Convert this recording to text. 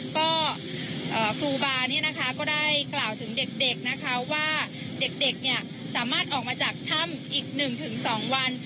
ก็ครูบาก็ได้กล่าวถึงเด็กนะคะว่าเด็กสามารถออกมาจากถ้ำอีก๑๒วัน